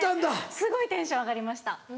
すごいテンション上がりました。